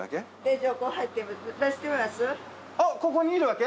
ここにいるわけ？